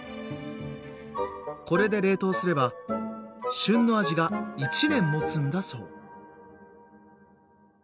これで冷凍すれば旬の味が１年もつんだそう。